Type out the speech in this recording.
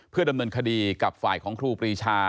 ดำเนินคดีกับฝ่ายของครูปรีชา